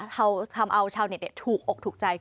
ทำเอาชาวเน็ตถูกอกถูกใจ